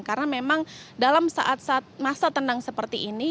karena memang dalam saat saat masa tenang seperti ini